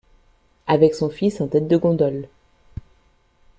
Avec son fils en tête de gondole.